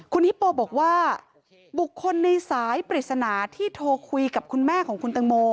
คุณฮิปโปบอกว่าบุคคลในสายปริศนาที่โทรคุยกับคุณแม่ของคุณตังโม